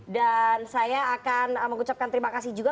dan saya akan mengucapkan terima kasih juga